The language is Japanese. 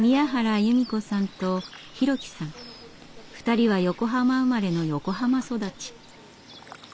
２人は横浜生まれの横浜育ち。